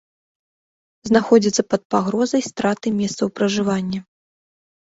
Знаходзіцца пад пагрозай страты месцаў пражывання.